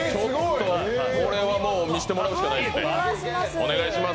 これはもう見せてもらうしかないですね、お願いします。